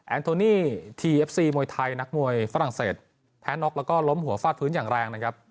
โทนี่ทีเอฟซีมวยไทยนักมวยฝรั่งเศสแพ้น็อกแล้วก็ล้มหัวฟาดพื้นอย่างแรงนะครับ